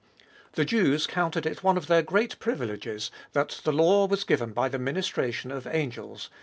The Jews counted it one of their great privileges that the law was given by the ministration of angels (ch.